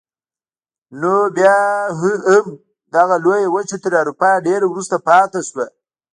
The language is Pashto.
خو بیا هم دغه لویه وچه تر اروپا ډېره وروسته پاتې شوه.